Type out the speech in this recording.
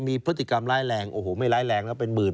มีพฤติกรรมร้ายแรงโอ้โหไม่ร้ายแรงแล้วเป็น๑๐๐๐๐๐๐๐บาท